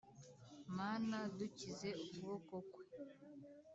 Mana dukize ukuboko kwe